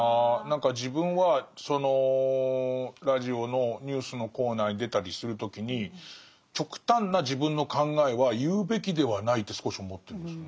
何か自分はそのラジオのニュースのコーナーに出たりする時に極端な自分の考えは言うべきではないって少し思ってるんです。